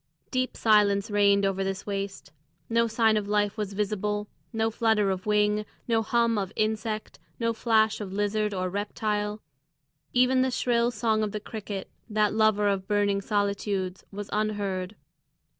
Deep silence reigned over this waste; no sign of life was visible; no flutter of wing, no hum of insect, no flash of lizard or reptile; even the shrill song of the cricket, that lover of burning solitudes, was unheard.